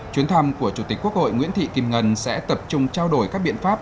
chuyến thăm của chủ tịch quốc hội nguyễn thị kim ngân sẽ tập trung trao đổi các biện pháp